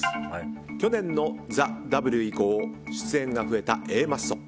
去年の「ＴＨＥＷ」以降出演が増えたＡマッソ。